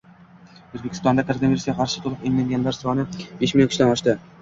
O‘zbekistonda koronavirusga qarshi to‘liq emlanganlar sonibeshmln kishidan oshdi